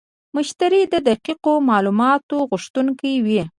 مشتری د دقیقو معلوماتو غوښتونکی وي.